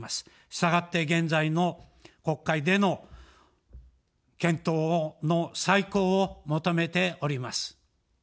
したがって現在の国会での検討の再考を求めております。